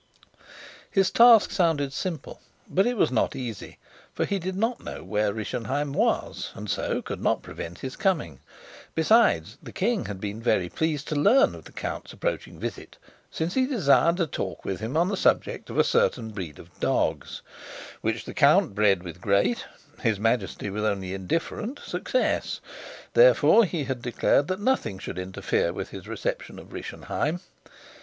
His task sounded simple, but it was not easy; for he did not know where Rischenheim was, and so could not prevent his coming; besides, the king had been very pleased to learn of the count's approaching visit, since he desired to talk with him on the subject of a certain breed of dogs, which the count bred with great, his Majesty with only indifferent success; therefore he had declared that nothing should interfere with his reception of Rischenheim.